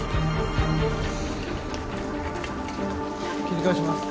切り返します。